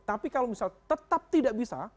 tapi kalau misal tetap tidak bisa